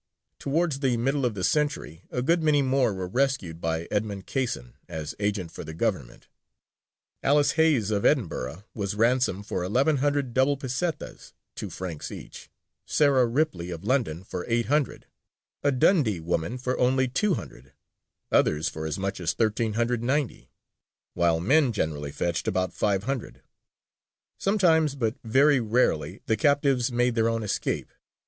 Towards the middle of the century a good many more were rescued by Edmond Casson as agent for the Government. Alice Hayes of Edinburgh was ransomed for 1,100 double pesetas (two francs each), Sarah Ripley of London for 800, a Dundee woman for only 200, others for as much as 1,390; while men generally fetched about 500. Sometimes, but very rarely, the captives made their own escape.